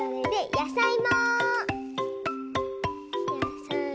やさいも。